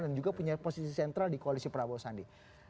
dan juga punya posisi sentral di koalisi prabowo sandi